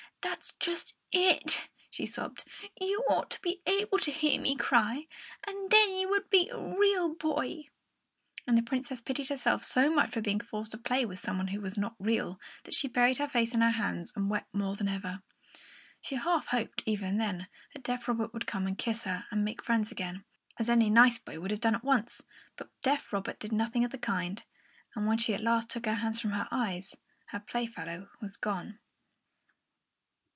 "That's just it!" she sobbed. "You ought to be able to hear me cry, and then you would be a real boy!" And the Princess pitied herself so much for being forced to play with some one who was not real, that she buried her face in her hands and wept more than ever. She half hoped, even then, that deaf Robert would come and kiss her and make friends again, as any nice boy would have done at once; but deaf Robert did nothing of the kind, and when she at last took her hands from her eyes, her playfellow was gone.